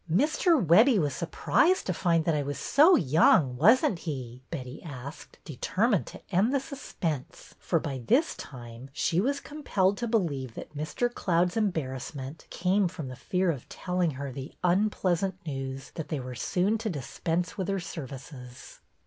'' Mr. Webbie was surprised to find that I was so young, was n't he ?" Betty asked, determined to end the suspense, for by this time she was compelled to believe that Mr. Cloud's embarrass ment came from the fear of telling her the un 220 BETTY BAIRD'S VENTURES pleasant news that they were soon to dispense with her services.